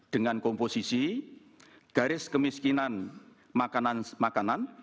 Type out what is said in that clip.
dengan komposisi garis kemiskinan makanan